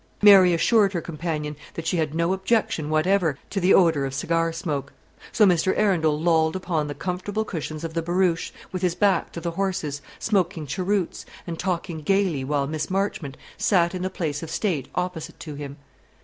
Mary assured her companion that she had no objection whatever to the odour of cigar smoke; so Mr. Arundel lolled upon the comfortable cushions of the barouche, with his back to the horses, smoking cheroots, and talking gaily, while Miss Marchmont sat in the place of state opposite to him.